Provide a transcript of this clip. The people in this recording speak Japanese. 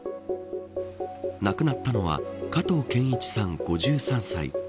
亡くなったのは加藤健一さん５３歳。